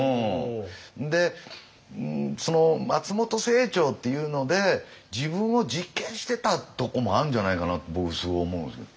で松本清張っていうので自分を実験してたとこもあるんじゃないかなと僕すごい思うんですよ。